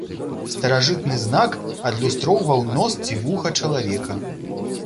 Старажытны знак адлюстроўваў нос ці вуха чалавека.